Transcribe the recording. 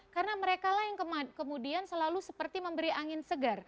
karena mereka lah yang kemudian selalu seperti memberi angin segar